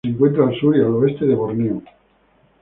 Se encuentra al sur y al oeste de Borneo.